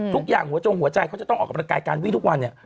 หัวจงหัวใจเขาจะต้องออกกำลังกายการวิ่งทุกวันเนี่ย